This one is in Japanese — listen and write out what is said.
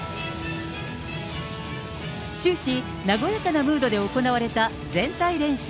終始、和やかなムードで行われた全体練習。